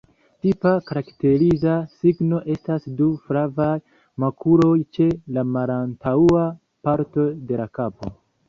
Tipa, karakteriza signo estas du flavaj makuloj ĉe la malantaŭa parto de la kapo.